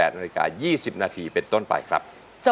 ๑๘นาทรกราด๒๐นาทีเป็นต้นไปครับ